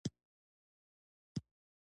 هره ورځ يو نوی پيل دی.